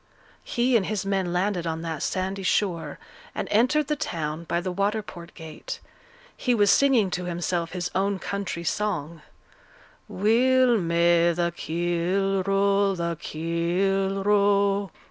He and his men landed on that sandy shore, and entered the town by the water port gate; he was singing to himself his own country song, Weel may the keel row, the keel row, &C.